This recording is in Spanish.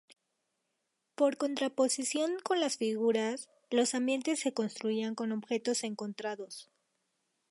Por contraposición con las figuras, los ambientes se construían con objetos encontrados.